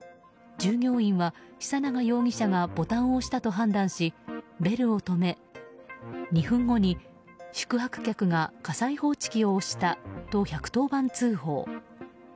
従業員は、久永容疑者がボタンを押したと判断しベルを止め２分後に宿泊客が火災報知機を押したと１１０番通報。